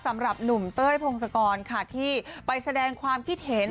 สำหรับหนุ่มเต้ยพงศกรค่ะที่ไปแสดงความคิดเห็น